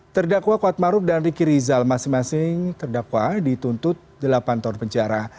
terdakwa kuatmaruf dan riki rizal masing masing terdakwa dituntut delapan tahun penjara